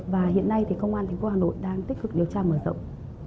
và hiện nay thì công an thành phố hà nội đang tích cực điều tra mở rộng